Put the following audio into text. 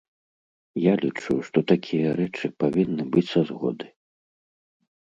Я лічу, што такія рэчы павінны быць са згоды.